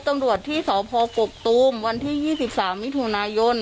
ตำรวจที่สพปกตูมวันที่ยี่สิบสามมิธุนายนต์